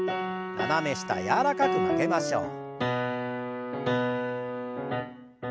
斜め下柔らかく曲げましょう。